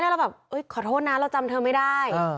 เราแบบขอโทษนะเราจำเธอไม่ได้